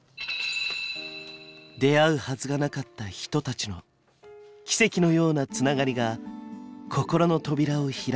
出会うはずがなかった人たちの奇跡のようなつながりが心の扉を開いていきます。